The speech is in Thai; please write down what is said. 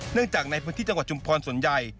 จากในพื้นที่จังหวัดชุมพรส่วนใหญ่